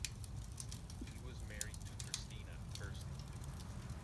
He was married to Christina (Kirsty).